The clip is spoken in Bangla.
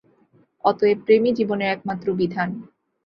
অতএব প্রেমই জীবনের একমাত্র বিধান।